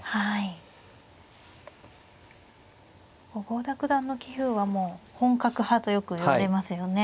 郷田九段の棋風はもう本格派とよくいわれますよね。